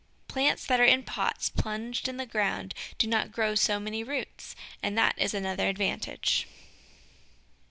Plants that are in pots plunged in the ground do not grow so many roots, and that is another advantage.